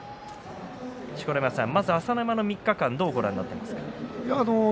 錣山さん、朝乃山の３日間どうご覧になっていますか？